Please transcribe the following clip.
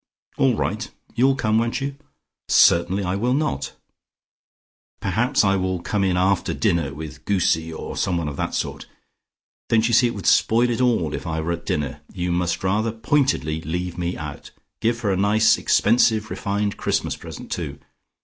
"All right. You'll come, won't you?" "Certainly I will not. Perhaps I will come in after dinner with Goosie or some one of that sort. Don't you see it would spoil it all if I were at dinner? You must rather pointedly leave me out. Give her a nice expensive refined Christmas present too.